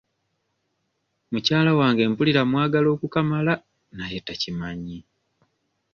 Mukyala wange mpulira mwagala okukamala naye takimanyi.